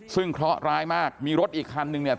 ซึ่งเคราะห์ร้ายมากมีรถอีกคันนึงเนี่ย